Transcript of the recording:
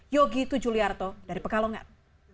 yogi tujuliarto dari pekalongan